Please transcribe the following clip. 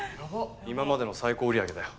今までの最高売り上げだよ。